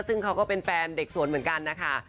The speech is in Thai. ซึ่งเขาก็เป็นแฟนเด็กสวนเหมือนกันนะคะ